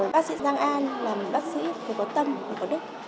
bác sĩ giang an là một bác sĩ có tâm có đức